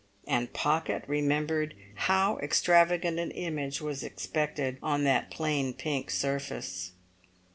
And Pocket remembered how extravagant an image was expected on that plain pink surface.